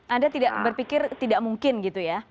anda tidak berpikir tidak mungkin gitu ya